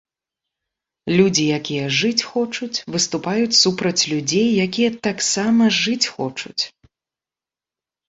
Людзі, якія жыць хочуць, выступаюць супраць людзей, якія таксама жыць хочуць.